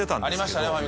ありましたね